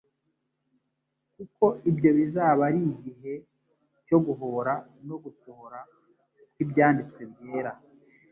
kuko ibyo bizaba ari igihe cyo guhora no gusohora kw'Ibyanditswe byera."